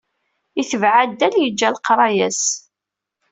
Itbeɛ addal, yeǧǧa leqraya-s.